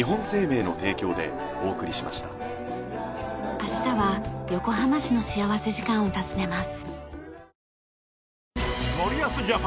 明日は横浜市の幸福時間を訪ねます。